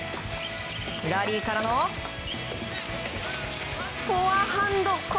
ラリーからのフォアハンド！